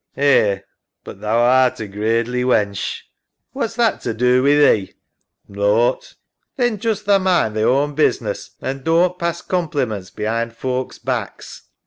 ... Eh, but thou art a gradely wench. EMMA. What's that to do wi' thee? SAM. Nought. EMMA. Then just tha mind thy own business, an' doan't pass compliments behind folks' backs.